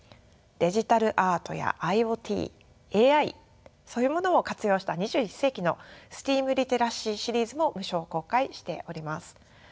デジタルアートやＩｏＴＡＩそういうものを活用した２１世紀のＳＴＥＡＭリテラシーシリーズも無償公開しております。